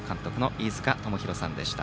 飯塚智広さんでした。